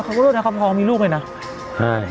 เขาก็เริ่มถึงเขาพร้อมมีลูกเลยนะฮ่า